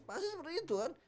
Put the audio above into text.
pasti seperti itu kan